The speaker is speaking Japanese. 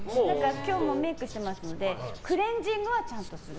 今日もメイクしてますのでクレンジングはちゃんとする。